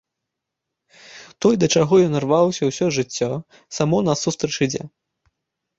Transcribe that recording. Тое, да чаго ён рваўся ўсё жыццё, само насустрач ідзе.